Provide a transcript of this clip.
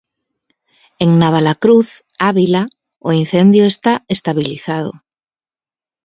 En Navalacruz, Ávila, o incendio está estabilizado.